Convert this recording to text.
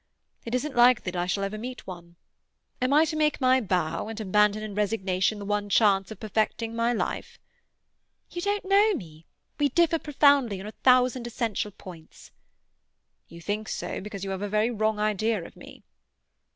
It isn't likely that I shall ever meet one. Am I to make my bow, and abandon in resignation the one chance of perfecting my life?" "You don't know me. We differ profoundly on a thousand essential points." "You think so because you have a very wrong idea of me."